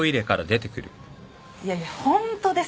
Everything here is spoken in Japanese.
いやいやホントです。